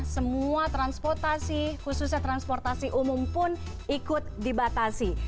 semua transportasi khususnya transportasi umum pun ikut dibatasi